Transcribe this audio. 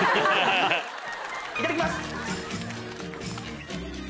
いただきます。